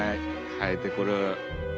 生えてくる。